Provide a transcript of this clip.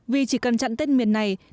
vì chỉ cần chặn tên miền này